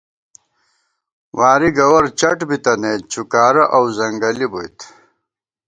وارِی گوَر چَٹ بِتَنَئیت ، چُکارہ اؤ ځنگَلی بوئیت